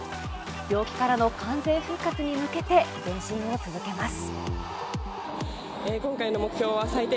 病気からの完全復活に向けて前進を続けます。